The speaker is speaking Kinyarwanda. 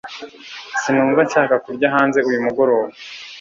sinumva nshaka kurya hanze uyu mugoroba